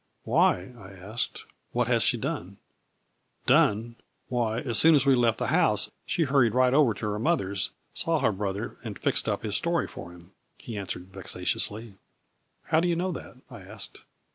" Why/' I asked, " what has she done ?"" Done ? Why, as soon as we left the house, she hurried right over to her mother's, saw her brother and fixed up his story for him," he an swered vexatiously. " How do you know that ?" I asked.